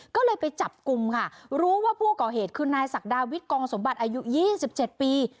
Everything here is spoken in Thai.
ก็เลยไปจับกลุ่มค่ะรู้ว่าผู้ก่อเหตุคือนายศักดาวิทย์กองสมบัติอายุ๒๗ปี